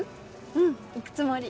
うん行くつもり。